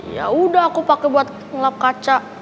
yaudah aku pake buat lap kaca